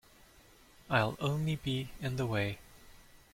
I'll only be in the way.